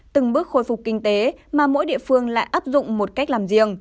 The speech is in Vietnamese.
từng bước khôi phục kinh tế mà mỗi địa phương lại áp dụng một cách làm riêng